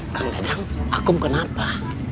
kang dadang akum kenapa